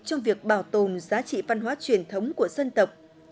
trong việc bảo tồn giá trị văn hóa truyền thống của dân tộc